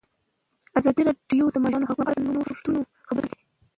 ازادي راډیو د د ماشومانو حقونه په اړه د نوښتونو خبر ورکړی.